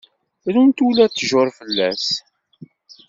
Runt ula tjur fell-as.